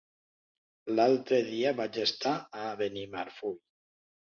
L'altre dia vaig estar a Benimarfull.